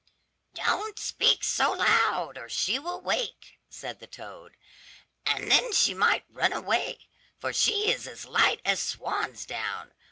"Don't speak so loud, or she will wake," said the toad, "and then she might run away, for she is as light as swan's down.